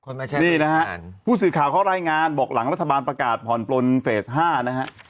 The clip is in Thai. ไม่ใช่นี่นะฮะผู้สื่อข่าวเขารายงานบอกหลังรัฐบาลประกาศผ่อนปลนเฟส๕นะฮะ